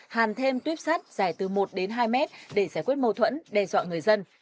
hàn thêm tuyếp sắt dài từ một đến hai mét để giải quyết mâu thuẫn đe dọa người dân